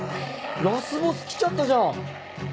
ラスボス来ちゃったじゃん！